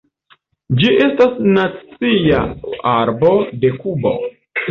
Ĝi estas nacia arbo de Kubo.